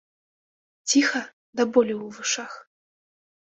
Ціха да болю ў вушах.